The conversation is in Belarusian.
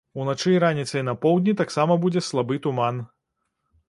Уначы і раніцай на поўдні таксама будзе слабы туман.